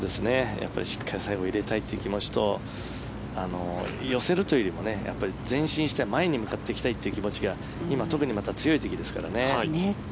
しっかり最後入れたいという気持ちと寄せるというよりも前進して前に向かっていきたいという気持ちが今、特にまた強い時ですからね。